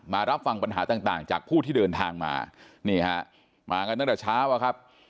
รับฟังปัญหาต่างจากผู้ที่เดินทางมานี่ฮะมากันตั้งแต่เช้าอะครับ